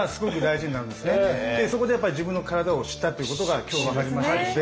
そこで自分の体を知ったっていうことが今日分かりましたので。